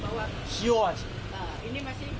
塩味。